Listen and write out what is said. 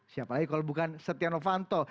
siapa lagi kalau bukan setiano fanto